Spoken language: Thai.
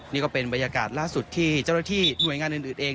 นี่ก็เป็นบรรยากาศล่าสุดที่เจ้าหน้าที่หน่วยงานอื่นเอง